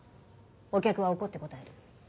お客は怒って答える。